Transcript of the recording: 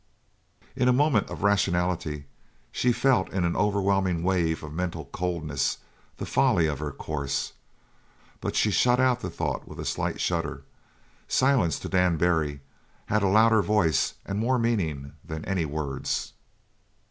In a moment of rationality she felt in an overwhelming wave of mental coldness the folly of her course, but she shut out the thought with a slight shudder. Silence, to Dan Barry, had a louder voice and more meaning than any words.